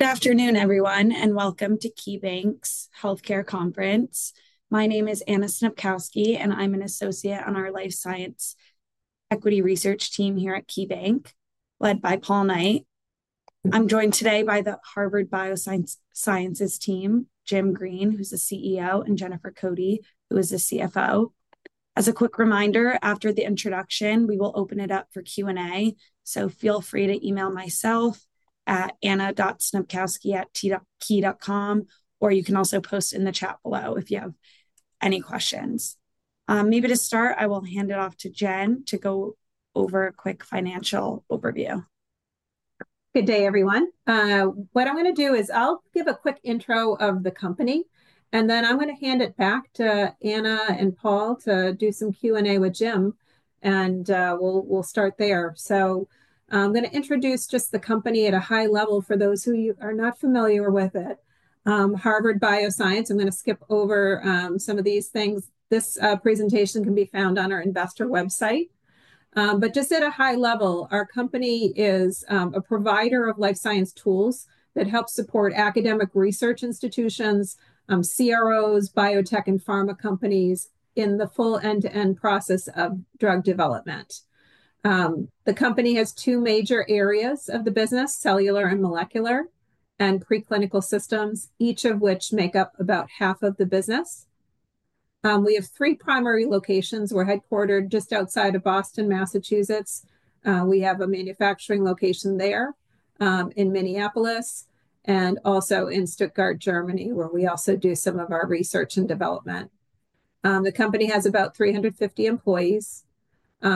Good afternoon, everyone, and welcome to KeyBank's Healthcare Conference. My name is Anna Snopkowski, and I'm an associate on our life science equity research team here at KeyBank, led by Paul Knight. I'm joined today by the Harvard Bioscience team, Jim Green, who's the CEO, and Jennifer Cote, who is the CFO. As a quick reminder, after the introduction, we will open it up for Q&A, so feel free to email myself at anna.snopkowski@key.com, or you can also post in the chat below if you have any questions. Maybe to start, I will hand it off to Jen to go over a quick financial overview. Good day, everyone. What I'm going to do is I'll give a quick intro of the company, and then I'm going to hand it back to Anna and Paul to do some Q&A with Jim, and we'll start there. I'm going to introduce just the company at a high level for those who are not familiar with it. Harvard Bioscience, I'm going to skip over some of these things. This presentation can be found on our Investor website. Just at a high level, our company is a provider of life science tools that help support academic research institutions, CROs, Biotech, and Pharma companies in the full end-to-end process of drug development. The company has two major areas of the business: cellular and molecular, and preclinical systems, each of which make up about half of the business. We have three primary locations. We're headquartered just outside of Boston, Massachusetts. We have a manufacturing location there in Minneapolis and also in Stuttgart, Germany, where we also do some of our research and development. The company has about 350 employees.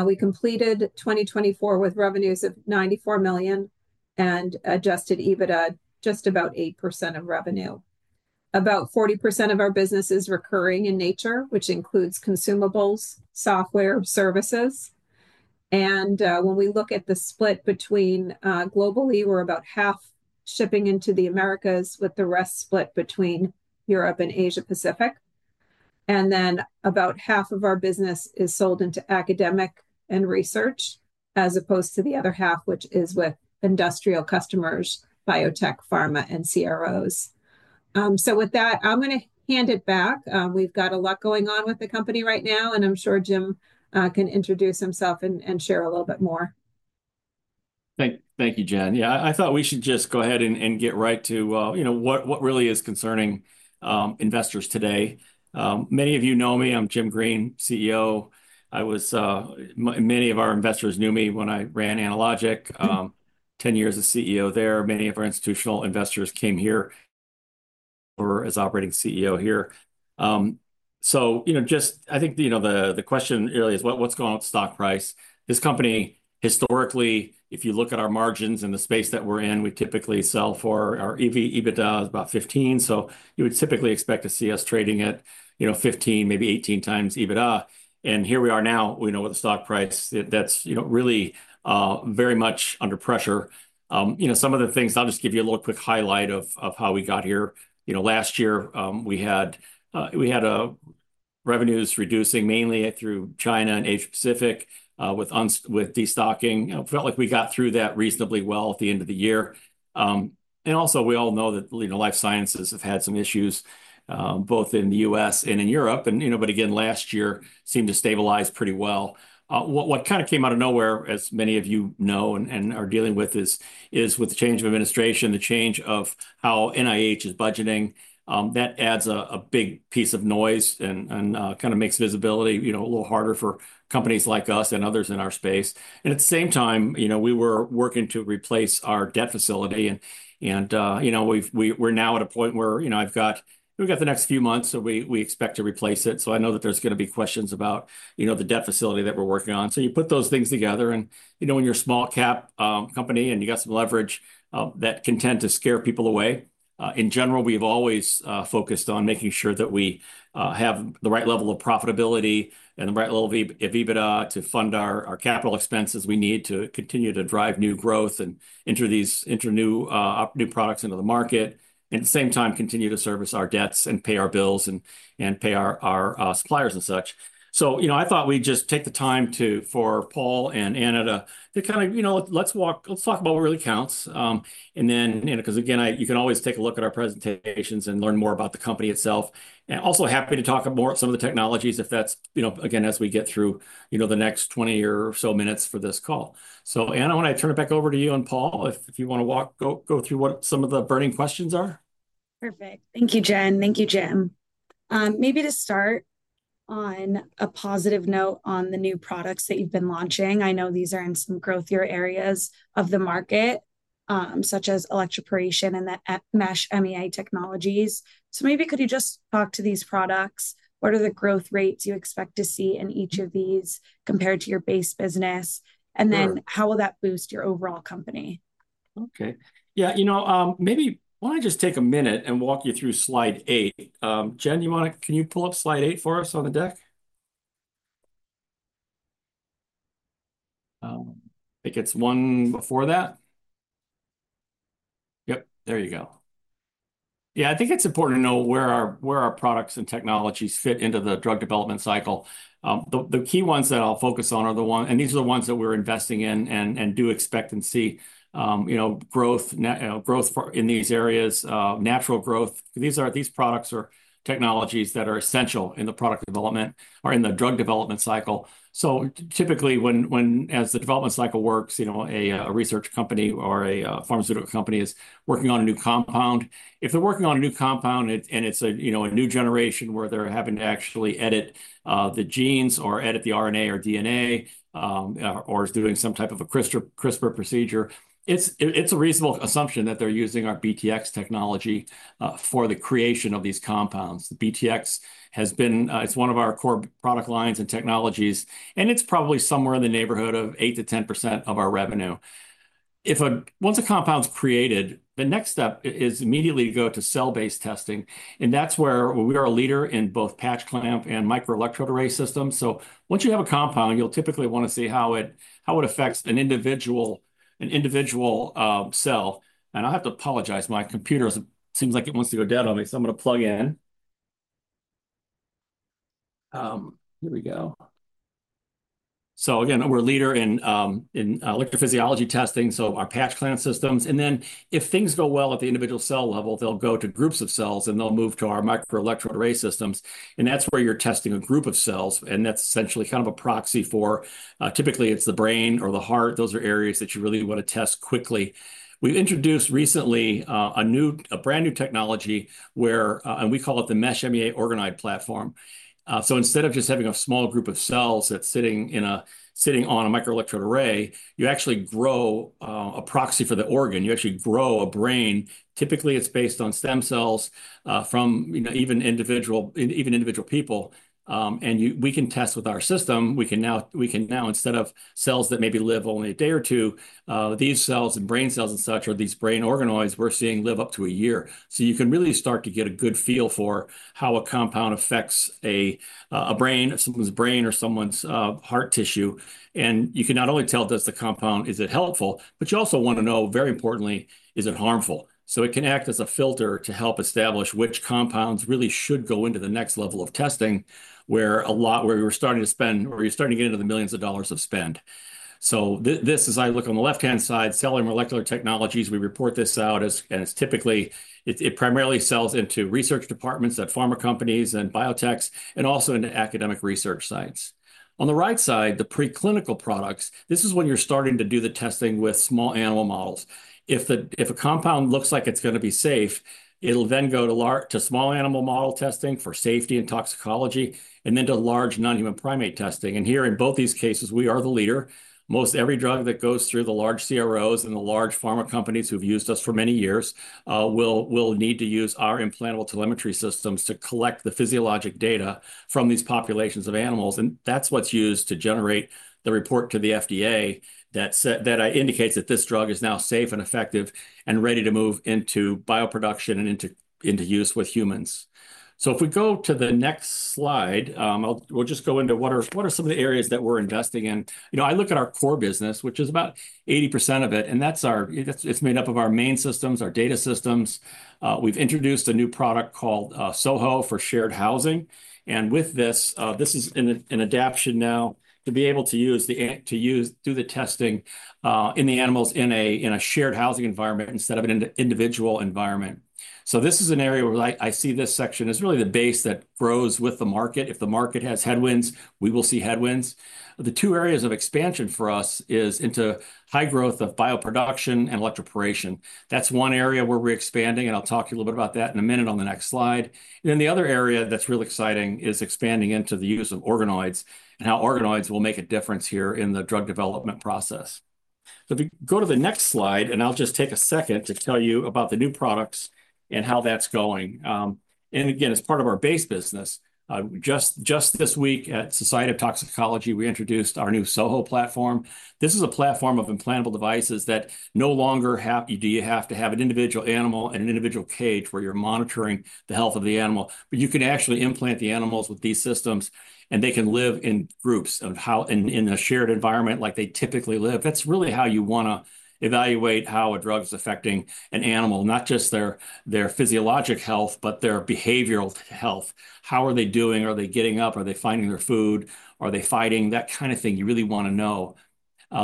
We completed 2024 with revenues of $94 million and Adjusted EBITDA just about 8% of revenue. About 40% of our business is recurring in nature, which includes consumables, software, and services. When we look at the split globally, we are about half shipping into the Americas, with the rest split between Europe and Asia-Pacific. About half of our business is sold into academic and research, as opposed to the other half, which is with industrial customers, biotech, pharma, and CROs. With that, I'm going to hand it back. We have a lot going on with the company right now, and I'm sure Jim can introduce himself and share a little bit more. Thank you, Jen. Yeah, I thought we should just go ahead and get right to what really is concerning investors today. Many of you know me. I'm Jim Green, CEO. Many of our investors knew me when I ran Analogic, 10 years as CEO there. Many of our institutional investors came here or as operating CEO here. I think the question really is, what's going on with the stock price? This company, historically, if you look at our margins in the space that we're in, we typically sell for our EBITDA is about 15. You would typically expect to see us trading at 15, maybe 18 times EBITDA. Here we are now, we know what the stock price is. That's really very much under pressure. Some of the things, I'll just give you a little quick highlight of how we got here. Last year, we had revenues reducing mainly through China and Asia-Pacific with destocking. It felt like we got through that reasonably well at the end of the year. We all know that life sciences have had some issues, both in the U.S. and in Europe. Last year seemed to stabilize pretty well. What kind of came out of nowhere, as many of you know and are dealing with, is with the change of administration, the change of how NIH is budgeting. That adds a big piece of noise and kind of makes visibility a little harder for companies like us and others in our space. At the same time, we were working to replace our debt facility. We are now at a point where we have got the next few months, so we expect to replace it. I know that there's going to be questions about the debt facility that we're working on. You put those things together. When you're a small-cap company and you've got some leverage that can tend to scare people away, in general, we've always focused on making sure that we have the right level of profitability and the right level of EBITDA to fund our capital expenses we need to continue to drive new growth and enter new products into the market, and at the same time, continue to service our debts and pay our bills and pay our suppliers and such. I thought we'd just take the time for Paul and Anna to kind of, let's talk about what really counts. Because again, you can always take a look at our presentations and learn more about the company itself. am also happy to talk about some of the technologies if that is, again, as we get through the next 20 or so minutes for this call. Anna, I want to turn it back over to you and Paul if you want to go through what some of the burning questions are. Perfect. Thank you, Jen. Thank you, Jim. Maybe to start on a positive note on the new products that you've been launching, I know these are in some growthier areas of the market, such as electroporation and the Mesh MEA technologies. Maybe could you just talk to these products? What are the growth rates you expect to see in each of these compared to your base business? How will that boost your overall company? Okay. Yeah, you know maybe why don't I just take a minute and walk you through slide eight. Jen, can you pull up slide eight for us on the deck? I think it's one before that. Yep, there you go. Yeah, I think it's important to know where our products and technologies fit into the drug development cycle. The key ones that I'll focus on are the one, and these are the ones that we're investing in and do expect and see growth in these areas, natural growth. These products are technologies that are essential in the product development or in the drug development cycle. Typically, as the development cycle works, a research company or a pharmaceutical company is working on a new compound. If they're working on a new compound and it's a new generation where they're having to actually edit the genes or edit the RNA or DNA or is doing some type of a CRISPR procedure, it's a reasonable assumption that they're using our BTX technology for the creation of these compounds. BTX has been, it's one of our core product lines and technologies, and it's probably somewhere in the neighborhood of 8%-10% of our revenue. Once a compound's created, the next step is immediately go to cell-based testing. That's where we are a leader in both patch clamp and microelectrode array systems. Once you have a compound, you'll typically want to see how it affects an individual cell. I have to apologize. My computer seems like it wants to go dead on me, so I'm going to plug in. Here we go. We're a leader in electrophysiology testing, so our patch clamp systems. If things go well at the individual cell level, they'll go to groups of cells and they'll move to our microelectrode array systems. That's where you're testing a group of cells, and that's essentially kind of a proxy for typically it's the brain or the heart. Those are areas that you really want to test quickly. We've introduced recently a brand new technology where we call it the Mesh MEA organoid platform. Instead of just having a small group of cells that's sitting on a microelectrode array, you actually grow a proxy for the organ. You actually grow a brain. Typically, it's based on stem cells from even individual people. We can test with our system. We can now, instead of cells that maybe live only a day or two, these cells and brain cells and such or these brain organoids we're seeing live up to a year. You can really start to get a good feel for how a compound affects a brain, someone's brain or someone's heart tissue. You can not only tell if the compound is helpful, but you also want to know, very importantly, is it harmful? It can act as a filter to help establish which compounds really should go into the next level of testing where you're starting to get into the millions of dollars of spend. As I look on the left-hand side, cellular molecular technologies, we report this out as typically it primarily sells into research departments at pharma companies and biotechs and also into academic research sites. On the right side, the preclinical products, this is when you're starting to do the testing with small animal models. If a compound looks like it's going to be safe, it'll then go to small animal model testing for safety and toxicology and then to large non-human primate testing. In both these cases, we are the leader. Most every drug that goes through the large CROs and the large pharma companies who've used us for many years will need to use our implantable telemetry systems to collect the physiologic data from these populations of animals. That's what's used to generate the report to the FDA that indicates that this drug is now safe and effective and ready to move into bioproduction and into use with humans. If we go to the next slide, we'll just go into what are some of the areas that we're investing in. I look at our core business, which is about 80% of it, and it's made up of our main systems, our data systems. We've introduced a new product called SoHo for shared housing. With this, this is an adaption now to be able to do the testing in the animals in a shared housing environment instead of an individual environment. This is an area where I see this section as really the base that grows with the market. If the market has headwinds, we will see headwinds. The two areas of expansion for us is into high growth of bioproduction and electroporation. That's one area where we're expanding, and I'll talk to you a little bit about that in a minute on the next slide. The other area that's real exciting is expanding into the use of organoids and how organoids will make a difference here in the drug development process. If we go to the next slide, I'll just take a second to tell you about the new products and how that's going. Again, as part of our base business, just this week at Society of Toxicology, we introduced our new SoHo platform. This is a platform of implantable devices that no longer have you have to have an individual animal in an individual cage where you're monitoring the health of the animal. You can actually implant the animals with these systems, and they can live in groups in a shared environment like they typically live. That's really how you want to evaluate how a drug is affecting an animal, not just their physiologic health, but their behavioral health. How are they doing? Are they getting up? Are they finding their food? Are they fighting? That kind of thing you really want to know.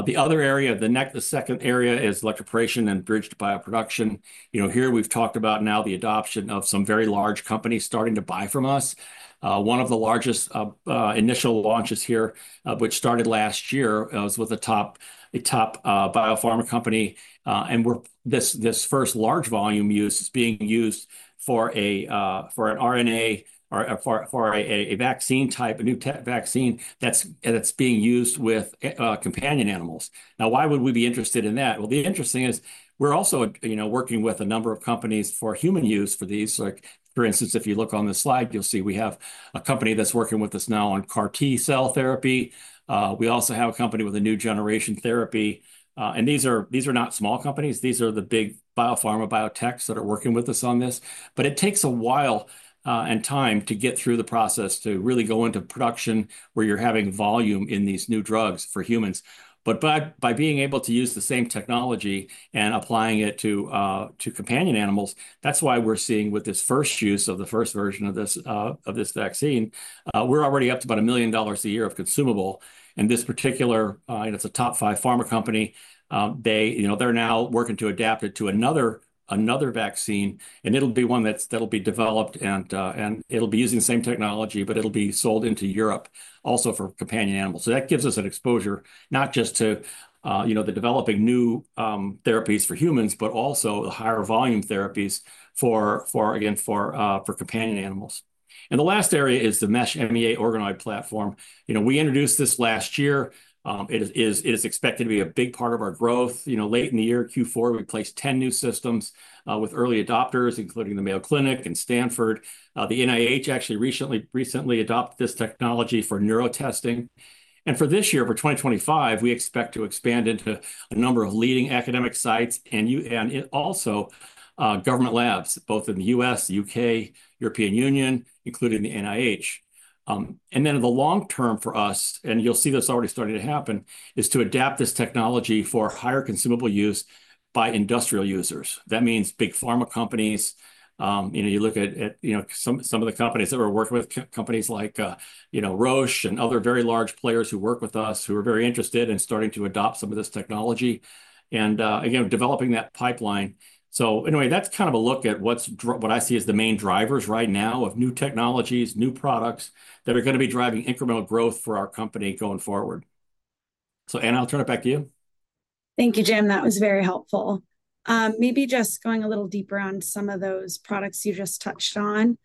The other area, the second area is electroporation and bridged bioproduction. Here we've talked about now the adoption of some very large companies starting to buy from us. One of the largest initial launches here, which started last year, was with a top Biopharma company. This first large volume is being used for an RNA or for a vaccine type, a new vaccine that's being used with companion animals. Now, why would we be interested in that? The interesting is we're also working with a number of companies for human use for these. For instance, if you look on the slide, you'll see we have a company that's working with us now on CAR T-cell therapy. We also have a company with a new generation therapy. These are not small companies. These are the big biopharma biotech that are working with us on this. It takes a while and time to get through the process to really go into production where you're having volume in these new drugs for humans. By being able to use the same technology and applying it to companion animals, that's why we're seeing with this first use of the first version of this vaccine, we're already up to about $1 million a year of consumable. This particular, it's a top five pharma company. They're now working to adapt it to another vaccine. It will be one that will be developed, and it will be using the same technology, but it will be sold into Europe also for companion animals. That gives us an exposure not just to developing new therapies for humans, but also the higher volume therapies for, again, for companion animals. The last area is the Mesh MEA organoid platform. We introduced this last year. It is expected to be a big part of our growth. Late in the year, Q4, we placed 10 new systems with early adopters, including the Mayo Clinic and Stanford. The NIH actually recently adopted this technology for neurotesting. For this year, for 2025, we expect to expand into a number of leading academic sites and also government labs, both in the U.S., U.K., European Union, including the NIH. The long term for us, and you'll see this already starting to happen, is to adapt this technology for higher consumable use by industrial users. That means big pharma companies. You look at some of the companies that are working with companies like Roche and other very large players who work with us who are very interested in starting to adopt some of this technology and developing that pipeline. Anyway, that's kind of a look at what I see as the main drivers right now of new technologies, new products that are going to be driving incremental growth for our company going forward. Anna, I'll turn it back to you. Thank you, Jim. That was very helpful. Maybe just going a little deeper on some of those products you just touched on,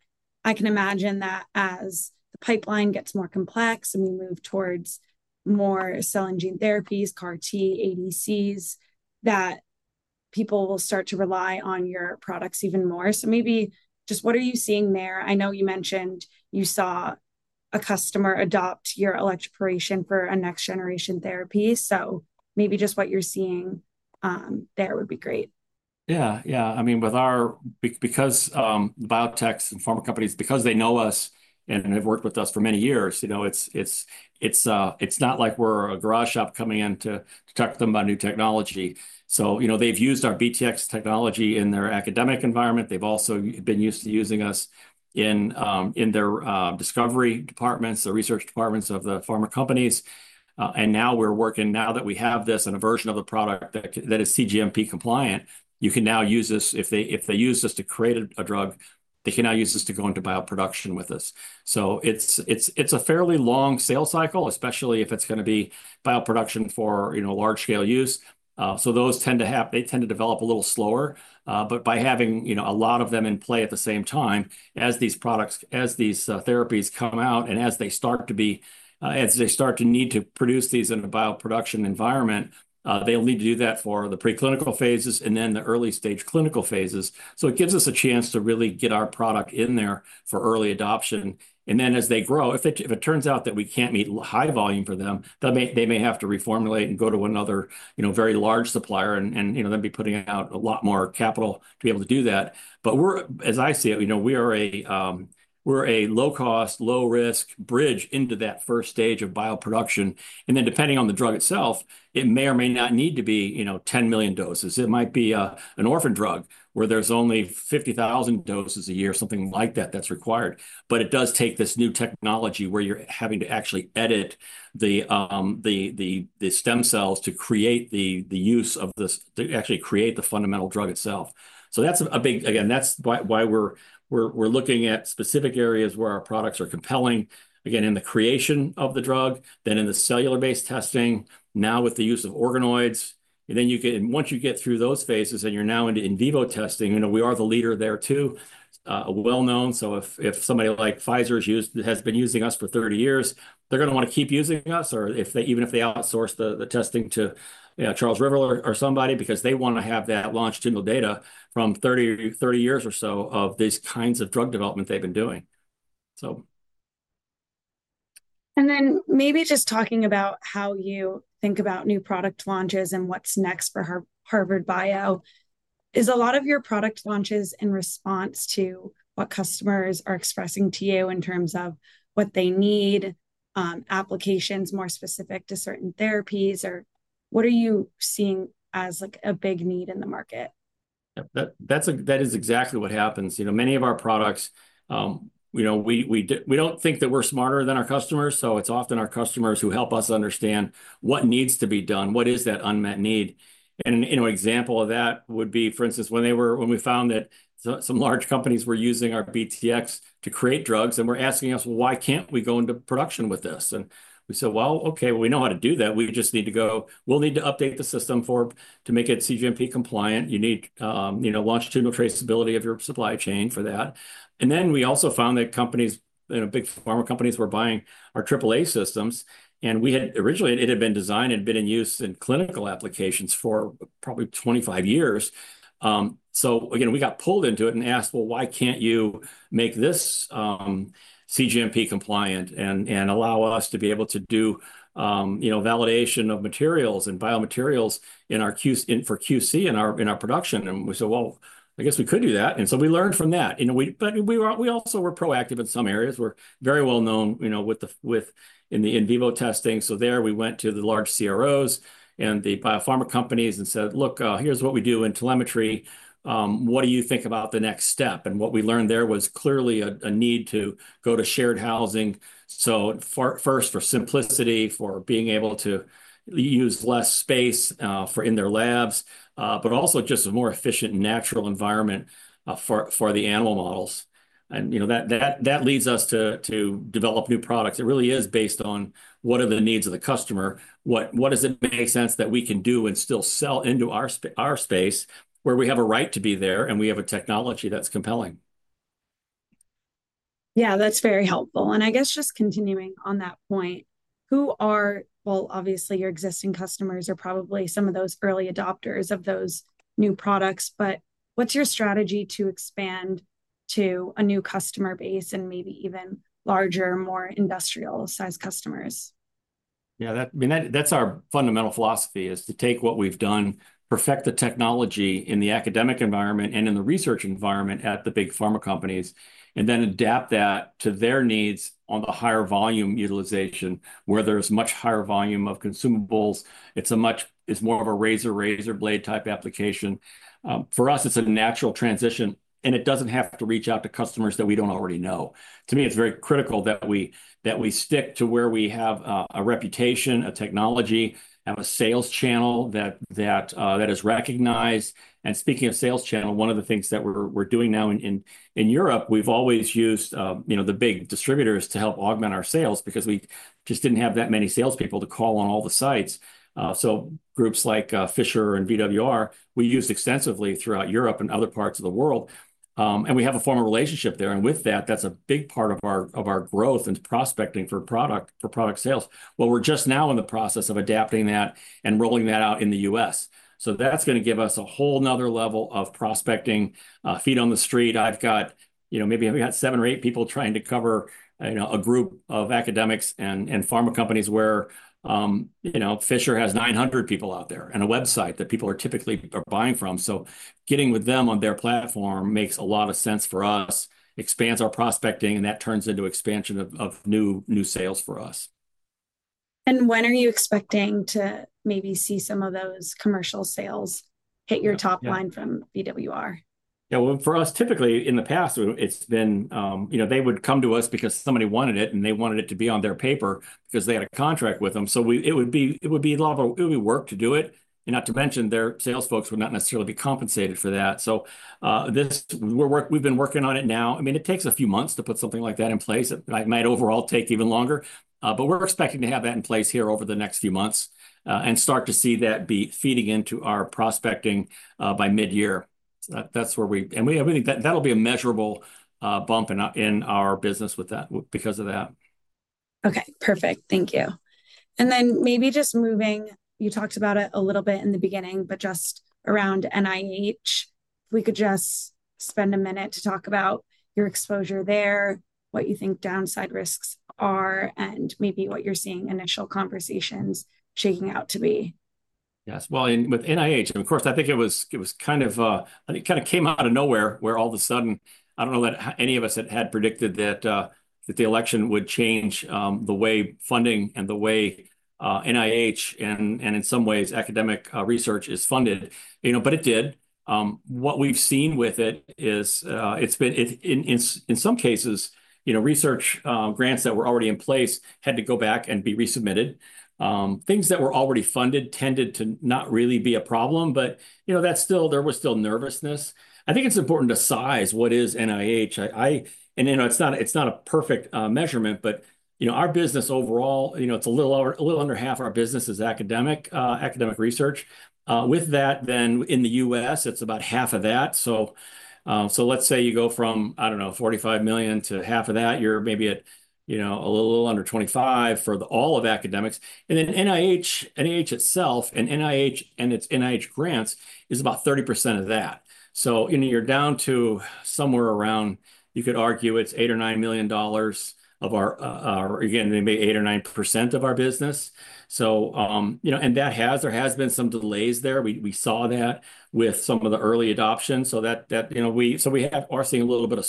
I can imagine that as the pipeline gets more complex and we move towards more cell and gene therapies, CAR T, ADCs, that people will start to rely on your products even more. Maybe just what are you seeing there? I know you mentioned you saw a customer adopt your electroporation for a next-generation therapy. Maybe just what you're seeing there would be great. Yeah, yeah. I mean, because biotechs and pharma companies, because they know us and have worked with us for many years, it's not like we're a garage shop coming in to talk to them about new technology. They have used our BTX technology in their academic environment. They have also been used to using us in their discovery departments, the research departments of the pharma companies. Now we are working, now that we have this and a version of the product that is cGMP compliant, you can now use this. If they use this to create a drug, they can now use this to go into bioproduction with us. It is a fairly long sales cycle, especially if it is going to be bioproduction for large-scale use. Those tend to have, they tend to develop a little slower. By having a lot of them in play at the same time, as these products, as these therapies come out and as they start to be, as they start to need to produce these in the bioproduction environment, they'll need to do that for the preclinical phases and then the early-stage clinical phases. It gives us a chance to really get our product in there for early adoption. As they grow, if it turns out that we can't meet high volume for them, they may have to reformulate and go to another very large supplier and then be putting out a lot more capital to be able to do that. As I see it, we are a low-cost, low-risk bridge into that first stage of bioproduction. Depending on the drug itself, it may or may not need to be 10 million doses. It might be an orphan drug where there's only 50,000 doses a year, something like that that's required. It does take this new technology where you're having to actually edit the stem cells to create the use of this, to actually create the fundamental drug itself. That's a big, again, that's why we're looking at specific areas where our products are compelling, again, in the creation of the drug, then in the cellular-based testing, now with the use of organoids. Once you get through those phases and you're now into in vivo testing, we are the leader there too, well-known. If somebody like Pfizer has been using us for 30 years, they're going to want to keep using us, or even if they outsource the testing to Charles River or somebody, because they want to have that longitudinal data from 30 years or so of these kinds of drug development they've been doing. Maybe just talking about how you think about new product launches and what's next for Harvard Bioscience, is a lot of your product launches in response to what customers are expressing to you in terms of what they need, applications more specific to certain therapies, or what are you seeing as a big need in the market? That is exactly what happens. Many of our products, we do not think that we are smarter than our customers. It is often our customers who help us understand what needs to be done, what is that unmet need. An example of that would be, for instance, when we found that some large companies were using our BTX to create drugs and were asking us, "Why cannot we go into production with this?" We said, "Okay, we know how to do that. We just need to go, we will need to update the system to make it cGMP compliant. You need longitudinal traceability of your supply chain for that." We also found that companies, big pharma companies were buying our AAA systems. Originally, it had been designed and had been in use in clinical applications for probably 25 years. Again, we got pulled into it and asked, "Why can't you make this cGMP compliant and allow us to be able to do validation of materials and biomaterials for QC in our production?" We said, "I guess we could do that." We learned from that. We also were proactive in some areas. We're very well known with the in vivo testing. There we went to the large CROs and the biopharma companies and said, "Look, here's what we do in telemetry. What do you think about the next step?" What we learned there was clearly a need to go to shared housing. First, for simplicity, for being able to use less space in their labs, but also just a more efficient natural environment for the animal models. That leads us to develop new products. It really is based on what are the needs of the customer, what does it make sense that we can do and still sell into our space where we have a right to be there and we have a technology that's compelling. Yeah, that's very helpful. I guess just continuing on that point, who are, well, obviously your existing customers are probably some of those early adopters of those new products, but what's your strategy to expand to a new customer base and maybe even larger, more industrial-sized customers? Yeah, that's our fundamental philosophy, is to take what we've done, perfect the technology in the academic environment and in the research environment at the big pharma companies, and then adapt that to their needs on the higher volume utilization, where there's much higher volume of consumables. It's more of a razor-blade type application. For us, it's a natural transition, and it doesn't have to reach out to customers that we don't already know. To me, it's very critical that we stick to where we have a reputation, a technology, have a sales channel that is recognized. Speaking of sales channel, one of the things that we're doing now in Europe, we've always used the big distributors to help augment our sales because we just didn't have that many salespeople to call on all the sites. Groups like Fisher and VWR, we use extensively throughout Europe and other parts of the world. We have a formal relationship there. With that, that's a big part of our growth and prospecting for product sales. We're just now in the process of adapting that and rolling that out in the U.S. That's going to give us a whole other level of prospecting, feet on the street. Maybe we had seven or eight people trying to cover a group of academics and pharma companies where Fisher has 900 people out there and a website that people are typically buying from. Getting with them on their platform makes a lot of sense for us, expands our prospecting, and that turns into expansion of new sales for us. When are you expecting to maybe see some of those commercial sales hit your top line from VWR? Yeah, for us, typically in the past, it's been they would come to us because somebody wanted it, and they wanted it to be on their paper because they had a contract with them. It would be a lot of work to do it. Not to mention, their sales folks would not necessarily be compensated for that. We've been working on it now. I mean, it takes a few months to put something like that in place. It might overall take even longer. We're expecting to have that in place here over the next few months and start to see that be feeding into our prospecting by mid-year. That'll be a measurable bump in our business because of that. Okay, perfect. Thank you. Maybe just moving, you talked about it a little bit in the beginning, but just around NIH, we could just spend a minute to talk about your exposure there, what you think downside risks are, and maybe what you're seeing initial conversations shaking out to be. Yes. With NIH, of course, I think it was kind of, it kind of came out of nowhere where all of a sudden, I do not know that any of us had predicted that the election would change the way funding and the way NIH and in some ways academic research is funded. It did. What we have seen with it is in some cases, research grants that were already in place had to go back and be resubmitted. Things that were already funded tended to not really be a problem, but there was still nervousness. I think it is important to size what is NIH. It is not a perfect measurement, but our business overall, it is a little under half of our business is academic research. With that, in the U.S., it is about half of that. Let's say you go from, I don't know, $45 million to half of that, you're maybe a little under $25 million for all of academics. NIH itself and its NIH grants is about 30% of that. You're down to somewhere around, you could argue it's $8 million-$9 million of our, again, maybe 8%-9% of our business. There has been some delays there. We saw that with some of the early adoptions. We are seeing a little bit of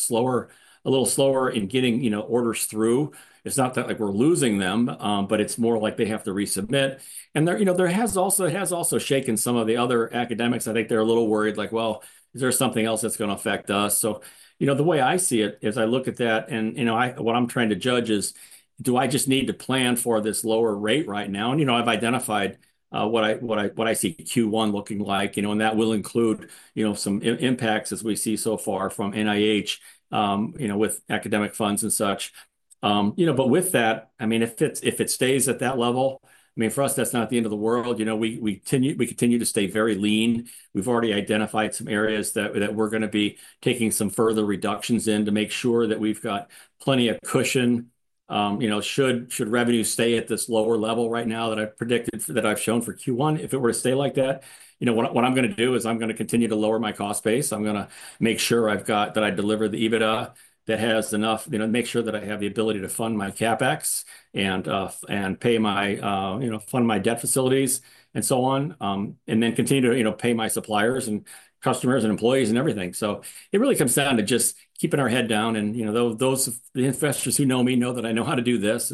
a little slower in getting orders through. It's not that we're losing them, but it's more like they have to resubmit. There has also shaken some of the other academics. I think they're a little worried like, "Well, is there something else that's going to affect us?" The way I see it is I look at that and what I'm trying to judge is, do I just need to plan for this lower rate right now? I've identified what I see Q1 looking like, and that will include some impacts as we see so far from NIH with academic funds and such. With that, I mean, if it stays at that level, I mean, for us, that's not the end of the world. We continue to stay very lean. We've already identified some areas that we're going to be taking some further reductions in to make sure that we've got plenty of cushion. Should revenue stay at this lower level right now that I've predicted that I've shown for Q1, if it were to stay like that, what I'm going to do is I'm going to continue to lower my cost base. I'm going to make sure that I deliver the EBITDA that has enough, make sure that I have the ability to fund my CapEx and fund my debt facilities and so on, and then continue to pay my suppliers and customers and employees and everything. It really comes down to just keeping our head down. Those investors who know me know that I know how to do this.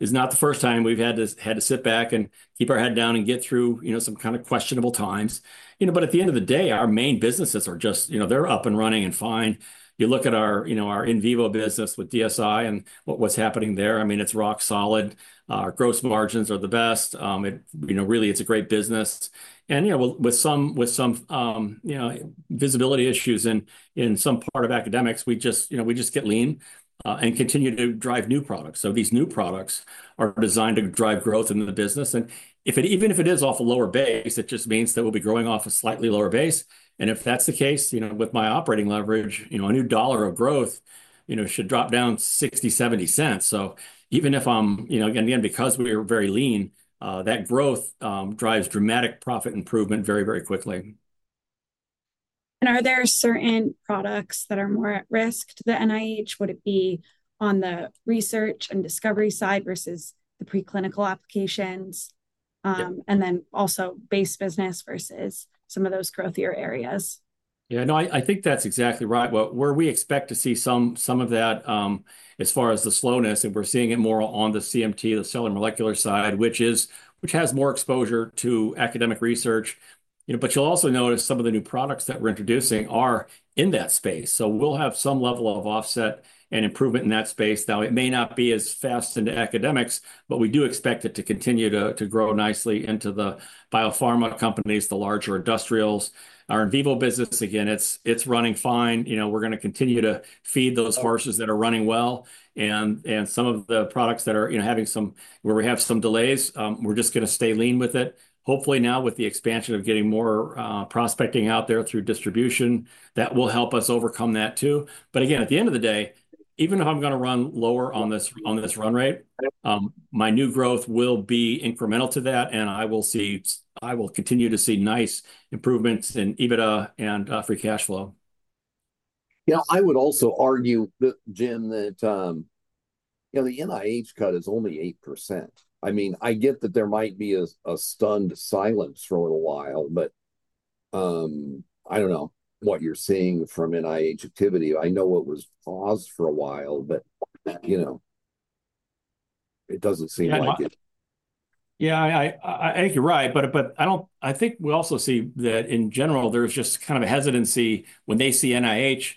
It's not the first time we've had to sit back and keep our head down and get through some kind of questionable times. At the end of the day, our main businesses are just, they're up and running and fine. You look at our in vivo business with DSI and what's happening there, I mean, it's rock solid. Our gross margins are the best. Really, it's a great business. And with some visibility issues in some part of academics, we just get lean and continue to drive new products. These new products are designed to drive growth in the business. Even if it is off a lower base, it just means that we'll be growing off a slightly lower base. If that's the case with my operating leverage, a new dollar of growth should drop down 60-70 cents. Even if I'm, again, because we are very lean, that growth drives dramatic profit improvement very, very quickly. Are there certain products that are more at risk to the NIH? Would it be on the research and discovery side versus the preclinical applications? Also, base business versus some of those growthier areas? Yeah, no, I think that's exactly right. Where we expect to see some of that as far as the slowness, we're seeing it more on the CMT, the cellular molecular side, which has more exposure to academic research. You'll also notice some of the new products that we're introducing are in that space. We'll have some level of offset and improvement in that space. Now, it may not be as fast into academics, but we do expect it to continue to grow nicely into the biopharma companies, the larger industrials. Our in vivo business, again, it's running fine. We're going to continue to feed those horses that are running well. Some of the products that are having some, where we have some delays, we're just going to stay lean with it. Hopefully now with the expansion of getting more prospecting out there through distribution, that will help us overcome that too. Again, at the end of the day, even if I'm going to run lower on this run rate, my new growth will be incremental to that, and I will continue to see nice improvements in EBITDA and free cash flow. Yeah, I would also argue, Jim, that the NIH cut is only 8%. I mean, I get that there might be a stunned silence for a little while, but I do not know what you are seeing from NIH activity. I know it was paused for a while, but it does not seem like it. Yeah, I think you're right. I think we also see that in general, there's just kind of a hesitancy when they see NIH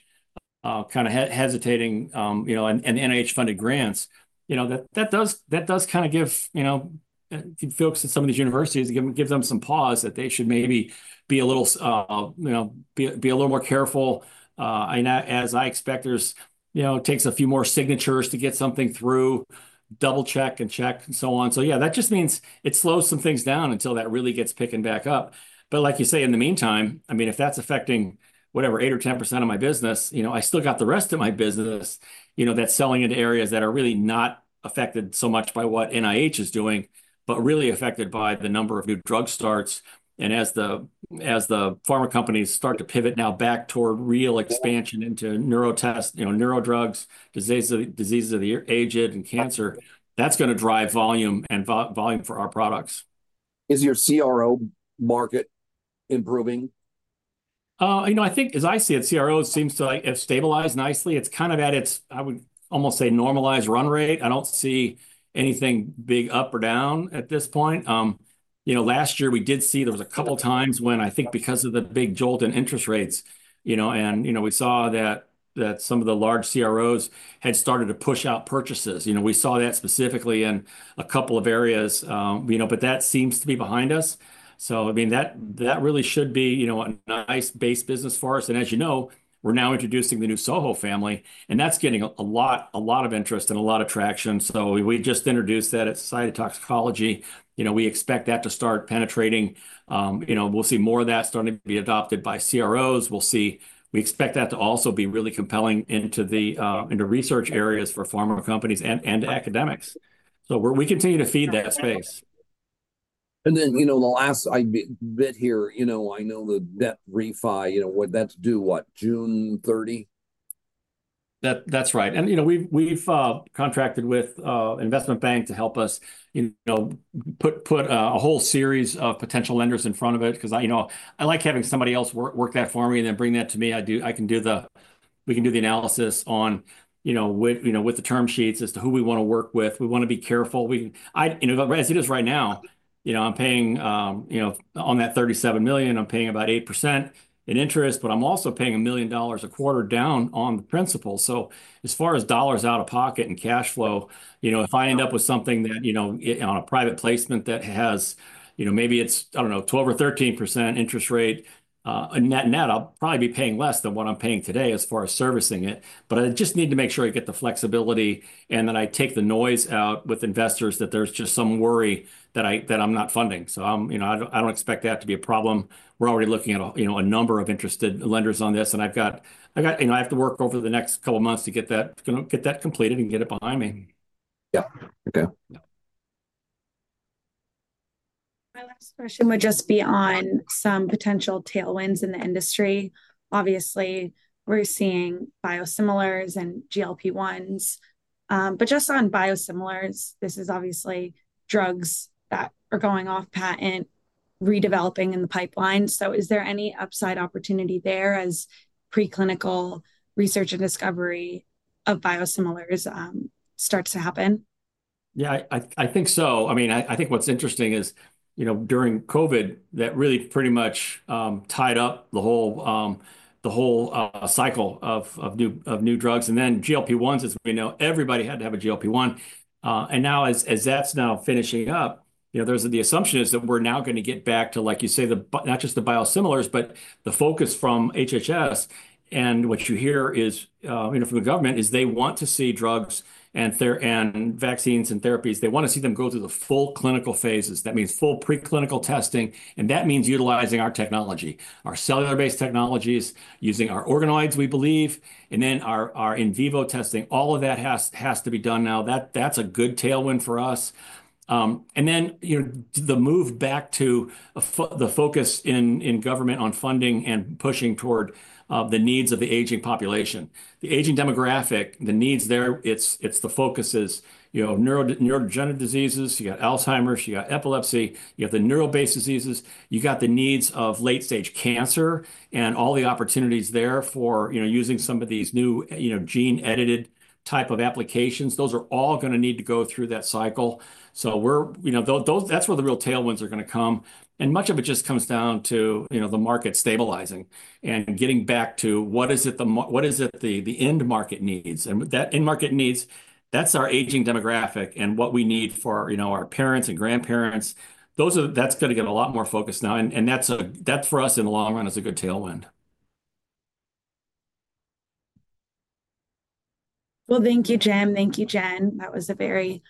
kind of hesitating and NIH-funded grants. That does kind of give folks at some of these universities, give them some pause that they should maybe be a little more careful. As I expect, it takes a few more signatures to get something through, double-check and check and so on. Yeah, that just means it slows some things down until that really gets picking back up. Like you say, in the meantime, I mean, if that's affecting whatever, 8% or 10% of my business, I still got the rest of my business that's selling into areas that are really not affected so much by what NIH is doing, but really affected by the number of new drug starts. As the pharma companies start to pivot now back toward real expansion into neurotests, neurodrugs, diseases of the aged and cancer, that's going to drive volume for our products. Is your CRO market improving? You know, I think as I see it, CROs seem to have stabilized nicely. It's kind of at its, I would almost say, normalized run rate. I don't see anything big up or down at this point. Last year, we did see there was a couple of times when I think because of the big jolt in interest rates, and we saw that some of the large CROs had started to push out purchases. We saw that specifically in a couple of areas, but that seems to be behind us. I mean, that really should be a nice base business for us. As you know, we're now introducing the new SoHo family, and that's getting a lot of interest and a lot of traction. We just introduced that at Society of Toxicology. We expect that to start penetrating. We'll see more of that starting to be adopted by CROs. We expect that to also be really compelling into research areas for pharma companies and academics. We continue to feed that space. The last bit here, I know the debt refi, that's due what, June 30? That's right. We have contracted with an investment bank to help us put a whole series of potential lenders in front of it. I like having somebody else work that for me and then bring that to me. I can do the analysis on the term sheets as to who we want to work with. We want to be careful. As it is right now, I'm paying on that $37 million, I'm paying about 8% in interest, but I'm also paying $1 million a quarter down on the principal. As far as dollars out of pocket and cash flow, if I end up with something on a private placement that has maybe, I do not know, 12% or 13% interest rate, net net, I'll probably be paying less than what I'm paying today as far as servicing it. I just need to make sure I get the flexibility and that I take the noise out with investors that there's just some worry that I'm not funding. I don't expect that to be a problem. We're already looking at a number of interested lenders on this. I have to work over the next couple of months to get that completed and get it behind me. Yeah. Okay. My last question would just be on some potential tailwinds in the industry. Obviously, we're seeing biosimilars and GLP-1s. Just on biosimilars, this is obviously drugs that are going off patent, redeveloping in the pipeline. Is there any upside opportunity there as preclinical research and discovery of biosimilars starts to happen? Yeah, I think so. I mean, I think what's interesting is during COVID, that really pretty much tied up the whole cycle of new drugs. GLP-1s, as we know, everybody had to have a GLP-1. Now as that's now finishing up, the assumption is that we're now going to get back to, like you say, not just the biosimilars, but the focus from HHS. What you hear from the government is they want to see drugs and vaccines and therapies. They want to see them go through the full clinical phases. That means full preclinical testing. That means utilizing our technology, our cellular-based technologies, using our organoids, we believe, and then our in vivo testing. All of that has to be done now. That's a good tailwind for us. The move back to the focus in government on funding and pushing toward the needs of the aging population. The aging demographic, the needs there, it's the focus is neurodegenerative diseases, you got Alzheimer's, you got epilepsy, you got the neuro-based diseases, you got the needs of late-stage cancer and all the opportunities there for using some of these new gene-edited type of applications. Those are all going to need to go through that cycle. That is where the real tailwinds are going to come. Much of it just comes down to the market stabilizing and getting back to what is it the end market needs. That end market needs, that's our aging demographic and what we need for our parents and grandparents. That is going to get a lot more focused now. That is for us in the long run a good tailwind. Thank you, Jim. Thank you, Jen. That was a very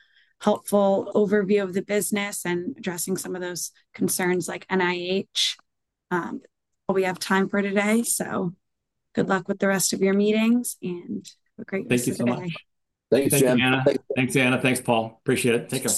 helpful overview of the business and addressing some of those concerns like NIH that we have time for today. Good luck with the rest of your meetings and have a great rest of your day. Thank you so much. Thank you, Jim. Thanks, Anna. Thanks, Paul. Appreciate it. Take care.